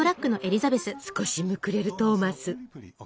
少しむくれるトーマス。